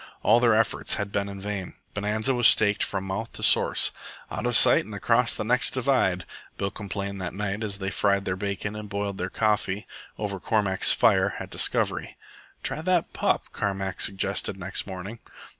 All their efforts had been vain. Bonanza was staked from mouth to source, "out of sight and across the next divide." Bill complained that night as they fried their bacon and boiled their coffee over Cormack's fire at Discovery. "Try that pup," Carmack suggested next morning.